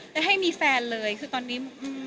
ได้ให้มีแฟนเลยคือตอนนี้